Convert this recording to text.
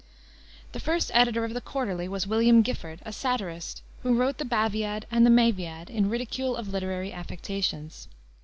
The first editor of the Quarterly was William Gifford, a satirist, who wrote the Baviad and Maeviad in ridicule of literary affectations.